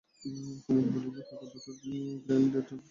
কুমুদ বলিল, কাকার দুটো গ্রেট ডেন কুকুর আছে জানিস?